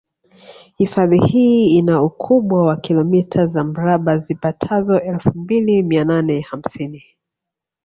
Hifadhi hii ina ukubwa wa kilometa za mraba zipatazo elfu mbili mia nane hamsini